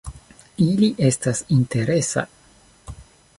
Ili estas interesa.